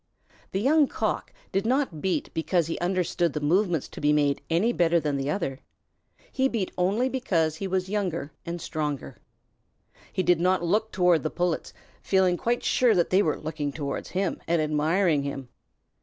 The Young Cock did not beat because he understood the movements to be made any better than the other. He beat only because he was younger and stronger. He did not look toward the Pullets, feeling quite sure that they were looking toward him and admiring him.